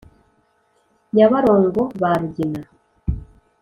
nyabarongo ba rugina.